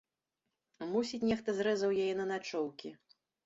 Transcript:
Мусіць, нехта зрэзаў яе на начоўкі.